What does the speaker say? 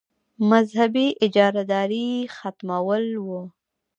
مذهبي اجاراداري ختمول وو.